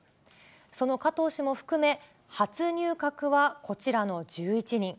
その加藤氏も含め、初入閣はこちらの１１人。